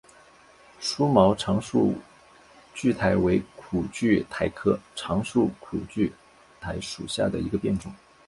疏毛长蒴苣苔为苦苣苔科长蒴苣苔属下的一个变种。